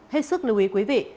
hết sức lưu ý quý vị